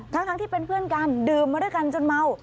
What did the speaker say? ทั้งที่เป็นเพื่อนกันดื่มมาด้วยกันจนเมา